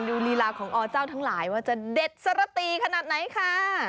ลีลาของอเจ้าทั้งหลายว่าจะเด็ดสระตีขนาดไหนค่ะ